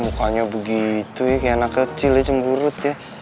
mukanya begitu ya kaya anak kecil ya cemburut ya